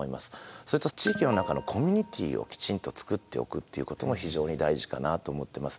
それと地域の中のコミュニティーをきちんと作っておくっていうことも非常に大事かなと思ってます。